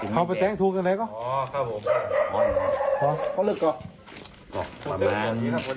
เขาก็ก็กรุมก่อน